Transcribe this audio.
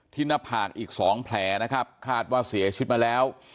ที่หน้าผากอีกสองแผลนะครับคาดว่าเสียชิดมาแล้ว